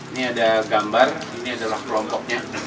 ini ada gambar ini adalah kelompoknya